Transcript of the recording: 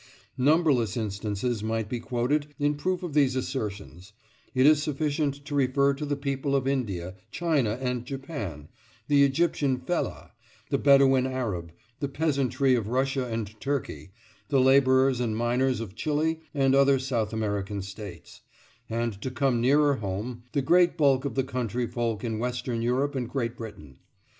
Numberless instances might be quoted in proof of these assertions; it is sufficient to refer to the people of India, China, and Japan, the Egyptian fellah, the Bedouin Arab, the peasantry of Russia and Turkey, the labourers and miners of Chili and other South American States; and, to come nearer home, the great bulk of the country folk in Western Europe and Great Britain.